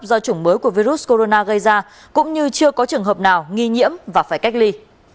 do chủng mới của virus corona gây ra cũng như chưa có trường hợp nào nghi nhiễm và phải cách ly